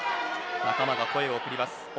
仲間が声を送っています。